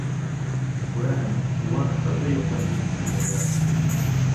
Күрәһең, улар ҡыҙҙы йоҡлай тип уйлайҙар.